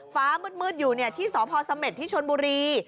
ฟ้ามืดอยู่ที่สพเสม็ดที่ชนบุรี